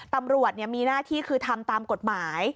ตำรวจมีหน้าที่คือทำตามกฎหมาย